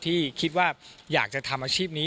ที่คิดว่าอยากจะทำอาชีพนี้